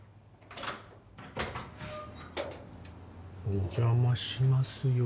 お邪魔しますよ。